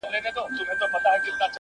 چي د مجنون په تلاښ ووزمه لیلا ووینم.!